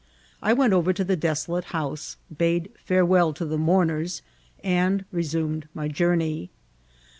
I went over to the desolate house^ bade farewell to the mourners, and resumed my journey.